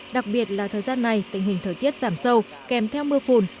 đặc biệt là thời gian này tình hình thời tiết giảm sâu kèm theo mưa phùn